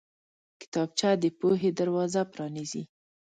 کتابچه د پوهې دروازه پرانیزي